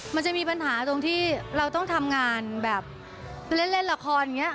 มันจะมีปัญหาตรงที่เราต้องทำงานแบบเล่นละครอย่างนี้